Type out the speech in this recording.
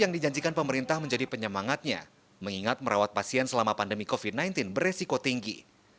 yang dijanjikan pemerintah menjadi penyemangatnya mengingat merawat pasien selama pandemi covid sembilan belas beresiko tinggi